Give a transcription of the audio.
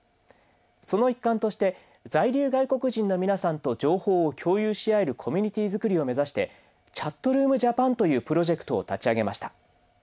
その一環として在留外国人の皆さんと情報を共有し合えるコミュニティー作りを目指して「ＣｈａｔｒｏｏｍＪａｐａｎ」というプロジェクトを立ち上げました。